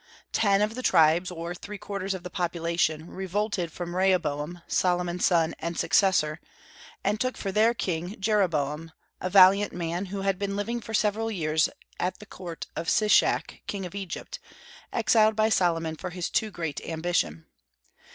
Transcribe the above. Ten of the tribes, or three quarters of the population, revolted from Rehoboam, Solomon's son and successor, and took for their king Jeroboam, a valiant man, who had been living for several years at the court of Shishak, king of Egypt, exiled by Solomon for his too great ambition.